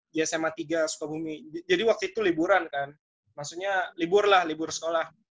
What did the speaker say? di sma tiga sukabumi jadi waktu itu liburan kan maksudnya libur lah libur sekolah